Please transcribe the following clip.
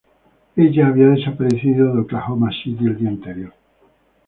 Ella había desaparecido de Oklahoma City el día anterior.